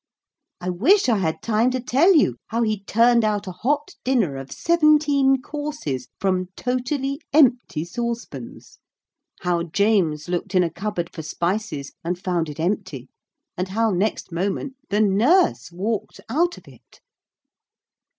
I wish I had time to tell you how he turned out a hot dinner of seventeen courses from totally empty saucepans, how James looked in a cupboard for spices and found it empty, and how next moment the nurse walked out of it.